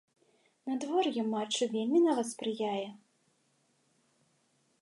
Надвор'е матчу вельмі нават спрыяе.